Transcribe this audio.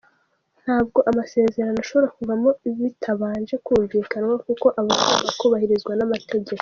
Ntabwo amasezerano ashobora kuvaho bitabanje kumvikanwaho kuko aba agomba kubahirizwa n’amategeko".